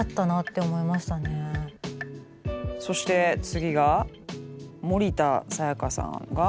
そして次が森田彩夏さんが。